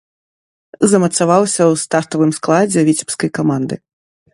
Замацаваўся ў стартавым складзе віцебскай каманды.